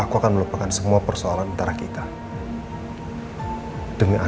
aku akan melakukan semua tersebut secara nebulan dan tightenedar